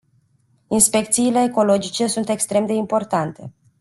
Inspecțiile ecologice sunt extrem de importante.